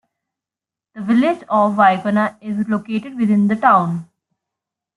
The Village of Wyocena is located within the town.